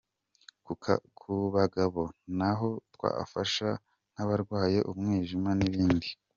Ku bagabo na ho twafasha nk’abarwaye umwijima n’ibindi.